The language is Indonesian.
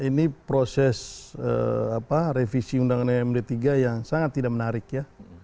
ini proses revisi undang undang md tiga yang sangat tidak menarik ya